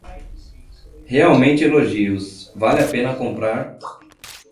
Realmente elogios, vale a pena comprar